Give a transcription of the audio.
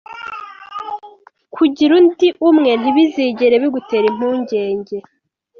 Kungira ndi Umwe ntibizigere bigutera Impungenge.